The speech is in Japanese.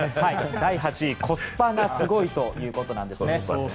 第８位、コスパがスゴイ！ということなんですね。